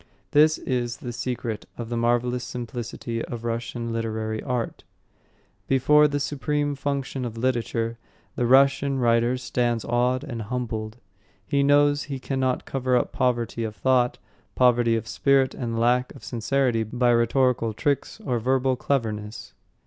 This is the secret of the marvellous simplicity of Russian literary art. Before the supreme function of literature, the Russian writer stands awed and humbled. He knows he cannot cover up poverty of thought, poverty of spirit and lack of sincerity by rhetorical tricks or verbal cleverness.